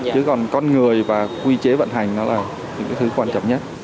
chứ còn con người và quy chế vận hành nó là những thứ quan trọng nhất